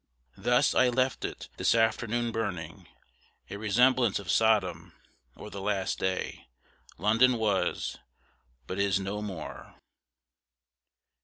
Thus I left it this afternoon burning, a resemblance of Sodom, or the last day London was, but is no more!